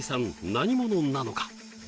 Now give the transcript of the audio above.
何者なのか？